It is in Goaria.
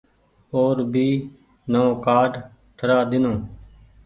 او ر ڀي نئو ڪآرڊ ٺرآ ۮينو۔